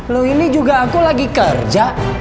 lu ini juga aku lagi kerja